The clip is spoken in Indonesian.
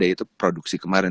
itu produksi kemarin